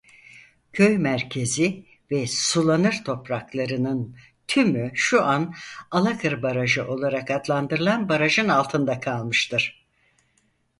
Köy merkezi ve sulanır topraklarının tümü şu an Alakır Barajı olarak adlandırılan barajın altında kalmıştır.